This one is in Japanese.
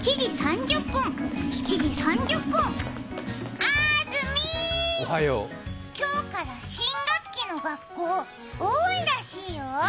安住、今日から新学期の学校、多いらしいよ。